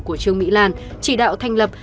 của trương mỹ lan chỉ đạo thành lập